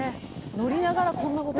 「乗りながらこんな事を」